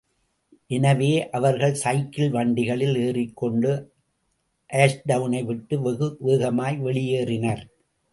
எனவே அவர்கள் சைக்கிள் வண்டிகளில் ஏறிக்கொண்டு ஆஷ்டவுனை விட்டு வெகு வேகமாய் வெளியேறினர்.